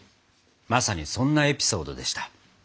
まさにそんなエピソードでした。